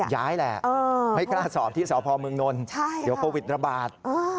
ย้ายแหละไม่กล้าสอบที่สพเมืองนนท์เดี๋ยวโควิดระบาด